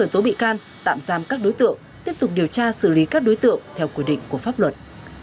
tạm giam các đối tượng tiếp tục điều tra xử lý các đối tượng theo quy định của pháp luật